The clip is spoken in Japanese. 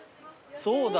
そうだ。